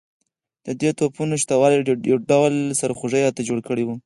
د دې توپونو شته والی یو ډول سرخوږی راته جوړ کړی وو.